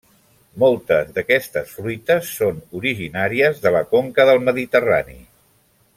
Moltes d'aquestes fruites són originàries de la conca del Mediterrani.